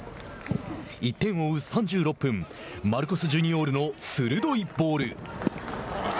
１点を追う３６分マルコス・ジュニオールの鋭いボール。